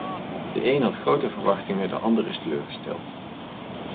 De een had grote verwachtingen, de ander is teleurgesteld.